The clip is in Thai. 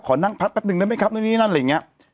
ขอนั่งพักแป๊บนึงได้มั้ยครับนั่นอะไรอย่างนี้